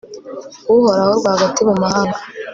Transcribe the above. uhoraho, rwagati mu mahanga